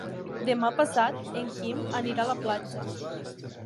Demà passat en Quim anirà a la platja.